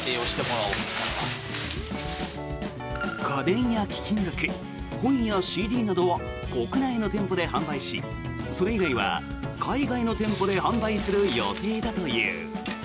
家電や貴金属、本やＣＤなど国内の店舗で販売しそれ以外は海外の店舗で販売する予定だという。